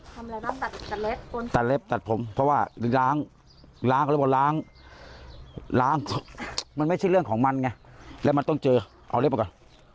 ทำอะไรนะตัดเล็บตัดเล็บตัดผมเพราะว่าล้างล้างเขาเรียกว่าล้างล้างมันไม่ใช่เรื่องของมันไงแล้วมันต้องเจอเอาเล็บมาก่อน